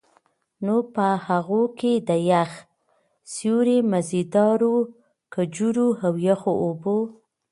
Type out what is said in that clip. نو په هغو کي د يخ سيُوري، مزيدارو کجورو، او يخو اوبو